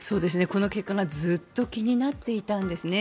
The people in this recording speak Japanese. この結果がずっと気になっていたんですね。